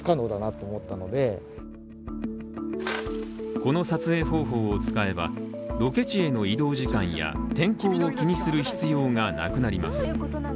この撮影方法を使えば、ロケ地への移動時間や天候を気にする必要がなくなります。